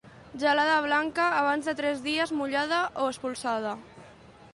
Gelada blanca, abans de tres dies mullada o espolsada.